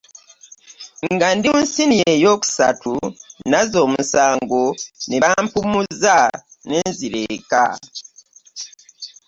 Nga ndi mu siniya eyookusatu, nazza omusango ne bampummuza ne nzira eka.